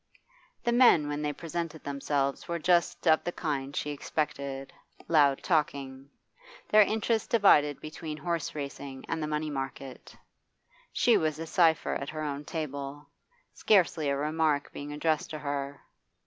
The men when they presented themselves were just of the kind she expected loud talking their interests divided between horse racing and the money market; she was a cipher at her own table, scarcely a remark being addressed to her.